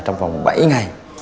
trong vòng bảy ngày